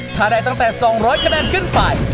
ถ้าได้ตั้งแต่๒๐๐คะแนนขึ้นไป